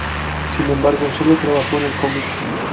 Sin embargo sólo trabajó en el cómic.